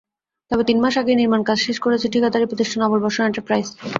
তবে তিন মাস আগেই নির্মাণকাজ শেষ করেছে ঠিকাদারি প্রতিষ্ঠান আবুল বশর এন্টারপ্রাইজ।